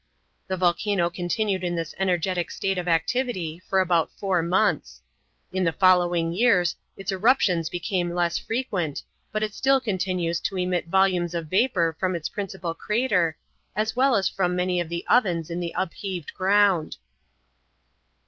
The volcano continued in this energetic state of activity for about four months; in the following years its eruptions became less frequent, but it still continues to emit volumes of vapor from the principal crater, as well as from many of the ovens in the upheaved ground.